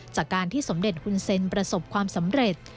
จากการที่สมเด็จหุ่นเซ็นประสบความสำเร็จ